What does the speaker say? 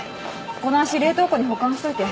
この足冷凍庫に保管しといて。